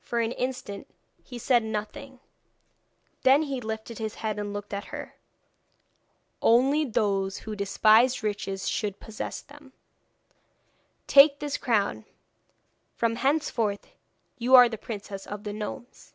For an instant he said nothing, then he lifted his head and looked at her. 'Only those who despise riches should possess them. Take this crown, from henceforth you are the Princess of the Gnomes.'